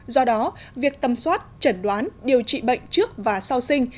do đó việc tâm soát chẩn đoán điều trị bệnh trước và sau sinh